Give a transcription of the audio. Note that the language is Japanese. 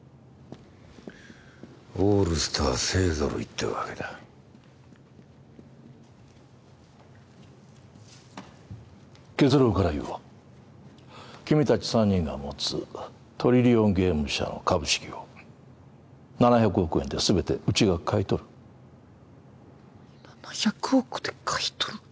オールスター勢ぞろいってわけだ結論から言おう君達３人が持つトリリオンゲーム社の株式を７００億円で全てうちが買い取る７００億で買い取る？